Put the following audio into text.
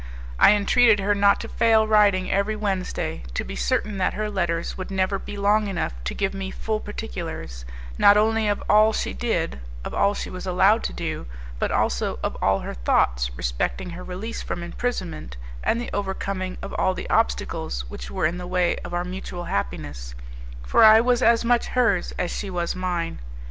I entreated her not to fail writing every Wednesday, to be certain that her letters would never be long enough to give me full particulars, not only of all she did, of all she was allowed to do, but also of all her thoughts respecting her release from imprisonment, and the overcoming of all the obstacles which were in the way of our mutual happiness; for I was as much hers as she was mine.